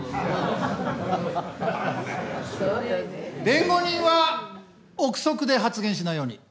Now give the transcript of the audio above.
弁護人は臆測で発言しないように。